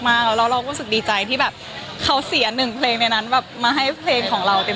มากแล้วเรารู้สึกดีใจที่แบบเขาเสียหนึ่งเพลงในนั้นแบบมาให้เพลงของเราเต็ม